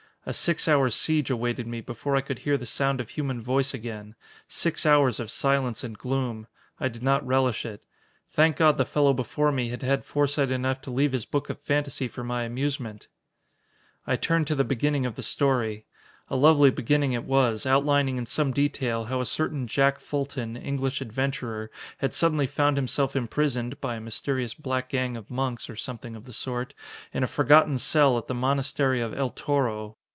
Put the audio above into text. A six hour siege awaited me before I could hear the sound of human voice again six hours of silence and gloom. I did not relish it. Thank God the fellow before me had had foresight enough to leave his book of fantasy for my amusement! I turned to the beginning of the story. A lovely beginning it was, outlining in some detail how a certain Jack Fulton, English adventurer, had suddenly found himself imprisoned (by a mysterious black gang of monks, or something of the sort) in a forgotten cell at the monastery of El Toro.